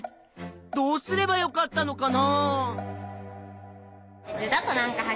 どうすればよかったのかな？